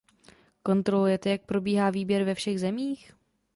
Kontrolujete, jak probíhá výběr ve všech zemích?